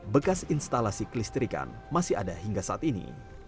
bekas instalasi kelistrikan masih ada hingga saat ini